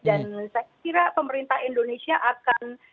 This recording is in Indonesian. dan saya kira pemerintah indonesia akan